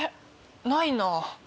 ないなぁ。